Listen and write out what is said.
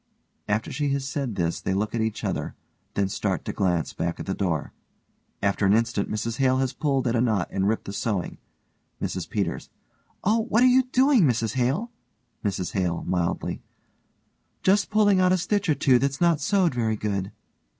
(After she has said this they look at each other, then start to glance back at the door. After an instant MRS HALE has pulled at a knot and ripped the sewing.) MRS PETERS: Oh, what are you doing, Mrs Hale? MRS HALE: (mildly) Just pulling out a stitch or two that's not sewed very good.